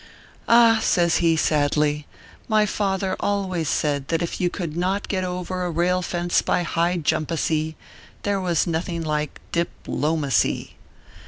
"Ah!" says he, sadly, "my father always said that if you could not get over a rail fence by high jump acy, there was nothing like dip low macy.